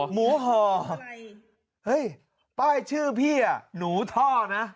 เฮ้ยป้ายชื่อพี่อ่ะหนูท่อนะ